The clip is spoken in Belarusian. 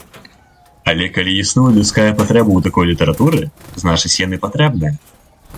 Але калі існуе людская патрэба ў такой літаратуры, значыць, яны патрэбныя.